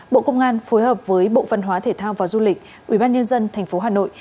bộ công an phối hợp với bộ văn hóa thể thao và du lịch ubnd tp hà nội